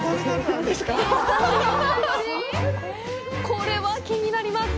これは気になります！